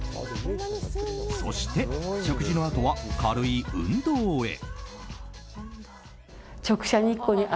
そして、食事のあとは軽い運動へ。